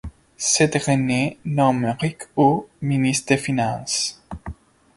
Ce dernier nomme Rick Hou ministre des Finances.